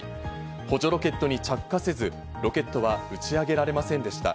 補助ロケットに着火せず、ロケットは打ち上げられませんでした。